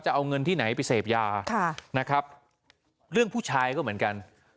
จะเอาเงินที่ไหนไปเสพยานะครับเรื่องผู้ชายก็เหมือนกัน